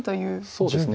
そうですね